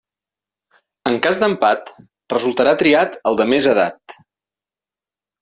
En cas d'empat resultarà triat el de més edat.